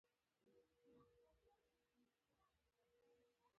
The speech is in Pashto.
خامک ګنډل څومره ګران دي؟